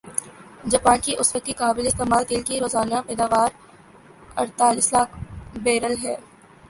Japan کی اس وقت کی قابل استعمال تیل کی روزانہ پیداواراڑتالیس لاکھ بیرل ھے